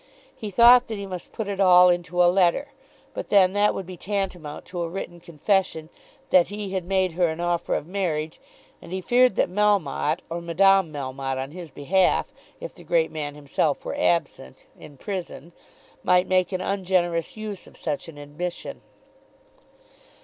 He thought that he must put it all into a letter. But then that would be tantamount to a written confession that he had made her an offer of marriage, and he feared that Melmotte, or Madame Melmotte on his behalf, if the great man himself were absent, in prison, might make an ungenerous use of such an admission.